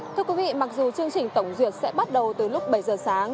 thưa quý vị mặc dù chương trình tổng duyệt sẽ bắt đầu từ lúc bảy giờ sáng